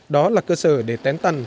đó là cơ sở để tén tần